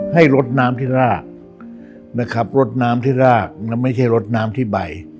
ให้ลดน้ำที่รากนะครับรดน้ำที่รากแล้วไม่ใช่รดน้ำที่ใบ